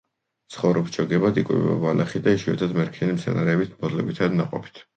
ცხოვრობს ჯოგებად, იკვებება ბალახით, იშვიათად მერქნიანი მცენარეების ფოთლებითა და ნაყოფით.